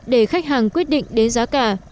để khách hàng quyết định đến giá cả